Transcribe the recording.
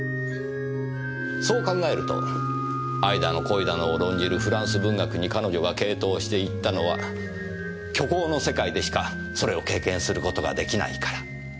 そう考えると愛だの恋だのを論じるフランス文学に彼女が傾倒していったのは虚構の世界でしかそれを経験する事が出来ないから。